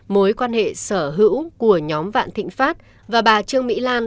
mối quan hệ sở hữu của nhóm vạn thịnh pháp và bà trương mỹ lan